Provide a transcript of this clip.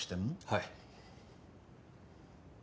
はい。